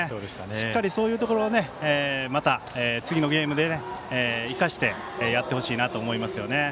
しっかり、そういうところをまた次のゲームで生かしてやってほしいなと思います。